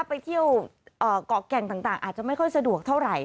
ไปเที่ยวเกาะแก่งต่างอาจจะไม่ค่อยสะดวกเท่าไหร่